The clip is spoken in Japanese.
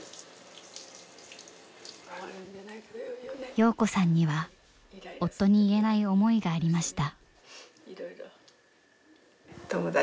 洋子さんには夫に言えない思いがありました。